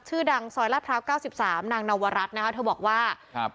ชื่อดังซอยลาดพร้าวเก้าสิบสามนางนวรัฐนะคะเธอบอกว่าครับ